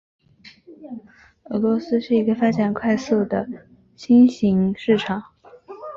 俄罗斯是一个发展快速的新型市场。